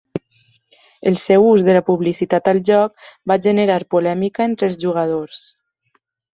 El seu ús de la publicitat al joc va generar polèmica entre els jugadors.